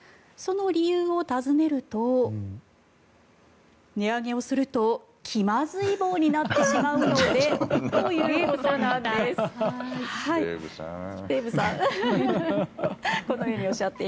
その理由を尋ねると値上げをするときまずい棒になってしまうのでということでした。